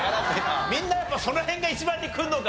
みんなやっぱその辺が一番にくるのか？